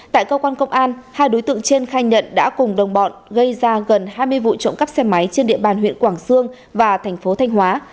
tại cơ quan công an hai đối tượng trên khai nhận đã cùng đồng bọn gây ra gần hai mươi vụ trộm cắp xe máy trên địa bàn huyện quảng sương và thành phố thanh hóa